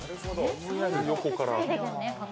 横から。